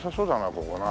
ここな。